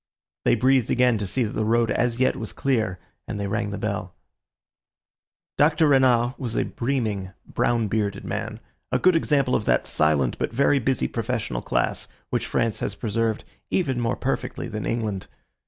They breathed again to see that the road as yet was clear, and they rang the bell. Dr. Renard was a beaming, brown bearded man, a good example of that silent but very busy professional class which France has preserved even more perfectly than England.